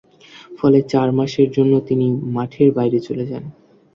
ফলে চার মাসের জন্য তিনি মাঠের বাহিরে চলে যান।